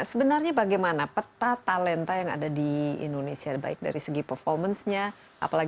sebenarnya bagaimana peta talenta yang ada di indonesia baik dari segi performance nya